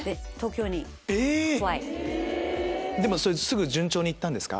すぐ順調に行ったんですか？